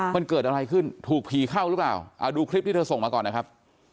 มันเกิดอะไรขึ้นถูกผีเข้าหรือเปล่าเอาดูคลิปที่เธอส่งมาก่อนนะครับ